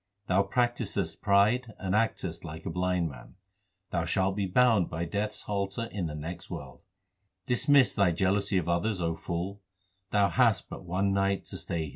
Thou practisest pride and actest like a blind man ; Thou shalt be bound by Death s halter in the next world. Dismiss thy jealousy of others, O fool. Thou hast but one night to stay here : 1 In the company of the saints.